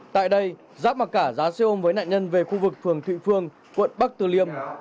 tại đây giáp mà cả giá xe ôm với nạn nhân về khu vực phường thụy phương quận bắc từ liêm